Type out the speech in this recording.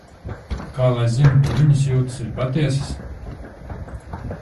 Kā lai zinu, ka viņas jūtas ir patiesas?